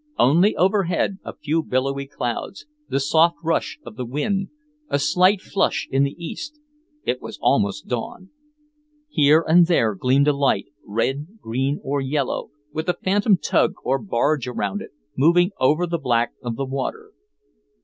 Only overhead a few billowy clouds, the soft rush of the wind, a slight flush in the east, it was almost dawn. Here and there gleamed a light, red, green or yellow, with a phantom tug or barge around it, moving over the black of the water.